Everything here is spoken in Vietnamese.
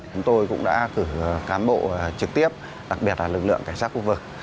chúng tôi cũng đã cử cán bộ trực tiếp đặc biệt là lực lượng cảnh sát khu vực